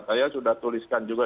saya sudah tuliskan juga